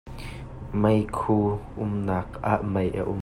Meikhu umnak ah mei a um.